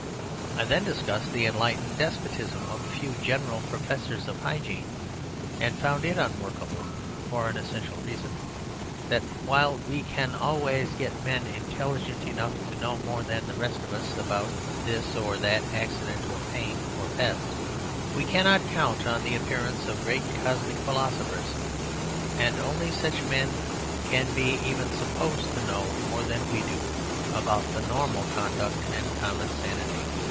I then discussed the enlightened despotism of a few general professors of hygiene, and found it unworkable, for an essential reason: that while we can always get men intelligent enough to know more than the rest of us about this or that accident or pain or pest, we cannot count on the appearance of great cosmic philosophers; and only such men can be even supposed to know more than we do about normal conduct and common sanity.